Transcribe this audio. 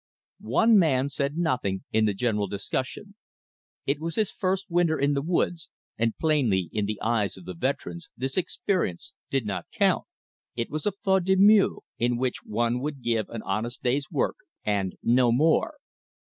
One man said nothing in the general discussion. It was his first winter in the woods, and plainly in the eyes of the veterans this experience did not count. It was a "faute de mieux," in which one would give an honest day's work, and no more.